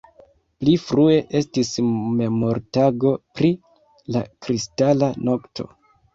Pli frue estis Memortago pri la kristala nokto.